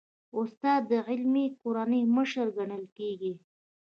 استاد د علمي کورنۍ مشر ګڼل کېږي.